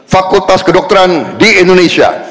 fakultas kedokteran di indonesia